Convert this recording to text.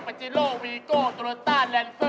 ปัจจิโรวีโกโตโลต้าแลนซ์เซอร์